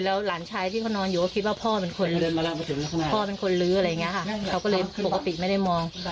แล้วหลานชายที่เขานอนอยู่ก็คิดว่าพ่อเป็นคนพ่อเป็นคนลื้ออะไรอย่างนี้ค่ะเขาก็เลยปกติไม่ได้มอง